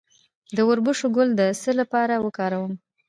د وربشو ګل د څه لپاره وکاروم؟